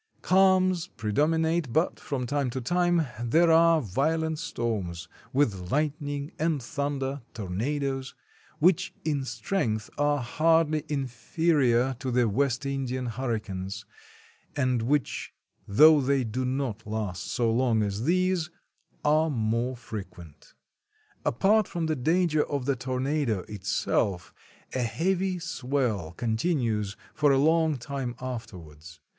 Calms predominate, but from time to time there are vio lent storms, with lightning and thunder (tornadoes), which in strength are hardly inferior to the West Indian hurricanes, and which, though they do not last so long as these, are more frequent. Apart from the danger of the tornado itself, a heavy swell continues for a long time afterwards.